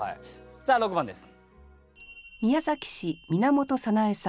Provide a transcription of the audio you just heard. さあ６番です。